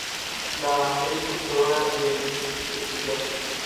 Es presentadora de eventos especiales.